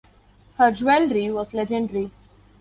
Her jewelry was legendary.